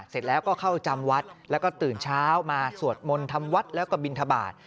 เสร็จแล้วก็เข้าจำวัดแล้วก็ตื่นเช้ามาสวดมนต์ทำวัดแล้วก็บินทบาท